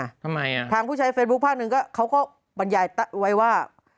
ทำไมอ่ะทางผู้ใช้เฟซบุ๊คภาคหนึ่งก็เขาก็บรรยายไว้ว่า